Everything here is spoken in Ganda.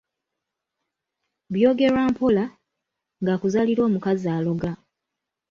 “Byogerwa mpola”, ng’akuzaalira omukazi aloga.